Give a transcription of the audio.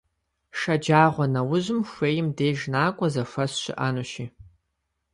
Шэджагъуэнэужьым хуейм деж накӀуэ, зэхуэс щыӀэнущи.